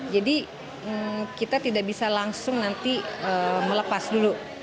jadi kita tidak bisa langsung nanti melepas dulu